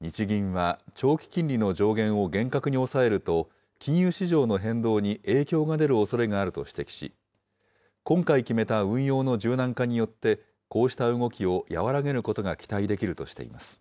日銀は長期金利の上限を厳格に抑えると、金融市場の変動に影響が出るおそれがあると指摘し、今回決めた運用の柔軟化によって、こうした動きを和らげることが期待できるとしています。